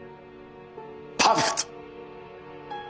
パーフェクト！